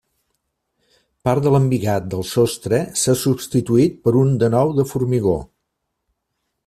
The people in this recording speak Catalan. Part de l'embigat del sostre s'ha substituït per un de nou de formigó.